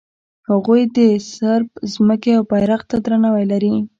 هغوی د صرب ځمکې او بیرغ ته درناوی لري.